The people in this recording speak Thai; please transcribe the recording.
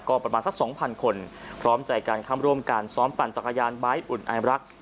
ก็ประมาณสัก๒๐๐๐คนพร้อมใจการค้ำร่วมการซ้อมปั่นจักรยานบ๊ายป์อุ่นไอลักษณ์